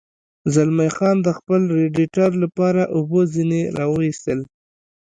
زلمی خان د خپل رېډیټر لپاره اوبه ځنې را ویستل.